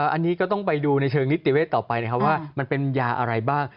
อันนี้ก็ต้องไปดูในเชิงนิติเวศต่อไปนะครับว่ามันเป็นยาอะไรบ้าง